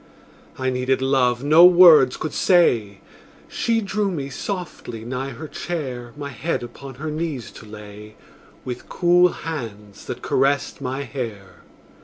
I needed love no words could say; She drew me softly nigh her chair, My head upon her knees to lay, With cool hands that caressed my hair.